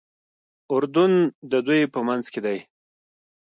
اردن د دوی په منځ کې دی.